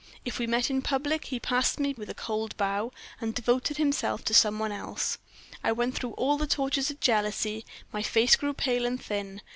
If we met in public, he passed me with a cold bow, and devoted himself to some one else. I went through all the tortures of jealousy, my face grew pale and thin.